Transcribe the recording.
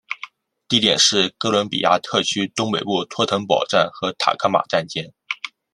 地点是哥伦比亚特区东北部托腾堡站和塔科马站间。